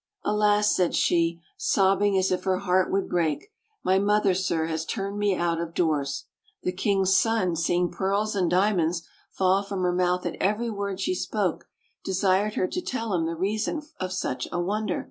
"Alas!" said she, sobbing as if her heart would break, "my mother, sir, has turned me out of doors." The king's son, seeing pearls and diamonds fall from her mouth at every word she spoke, desired her to tell him the reason of such a wonder.